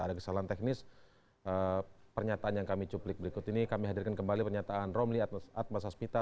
ada kesalahan teknis pernyataan yang kami cuplik berikut ini kami hadirkan kembali pernyataan romli atmas aspita